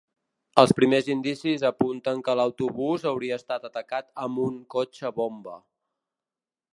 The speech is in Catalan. Els primers indicis apunten que l’autobús hauria estat atacat amb un cotxe bomba.